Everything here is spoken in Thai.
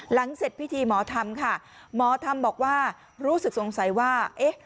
หลังเสร็จพิธีหมอทำค่ะหมอทำบอกว่ารู้สึกสงสัยว่าเอ๊ะ